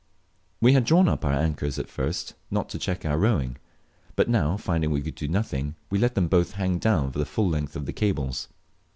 We had drawn up our anchors at first not to check our rowing; but now, finding we could do nothing, we let them both hang down by the full length of the cables.